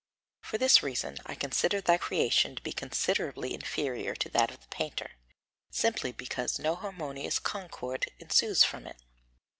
For this reason I consider thy creation to be considerably inferior to that of the painter, simply because no harmonious concord ensues from it.